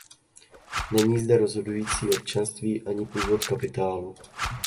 Není zde rozhodující občanství ani původ kapitálu.